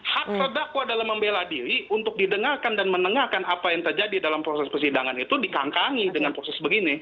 hak terdakwa dalam membela diri untuk didengarkan dan menengahkan apa yang terjadi dalam proses persidangan itu dikangkangi dengan proses begini